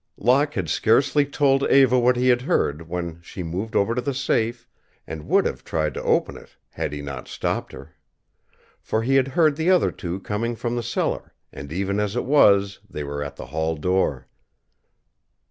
Locke had scarcely told Eva what he had heard when she moved over to the safe and would have tried to open it had he not stopped her. For he had heard the other two coming from the cellar, and even as it was they were at the hall door.